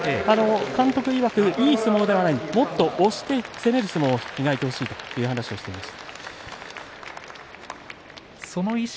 監督いわくいい相撲ではないもっと押して攻める相撲を磨いてほしいという話でした。